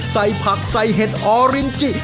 ใส่ผักใส่เห็ดออรินจิ